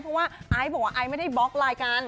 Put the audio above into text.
เพราะว่าไอซ์บอกว่าไอซ์ไม่ได้บล็อกไลน์กัน